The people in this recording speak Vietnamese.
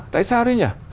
tại sao đấy nhỉ